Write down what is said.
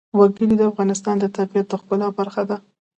وګړي د افغانستان د طبیعت د ښکلا برخه ده.